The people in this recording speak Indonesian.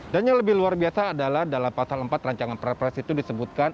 dan yang lebih luar biasa adalah dalam pasal empat rancangan pres itu disebutkan